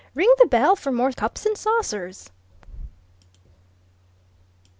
"Ring the bell for more cups and saucers!"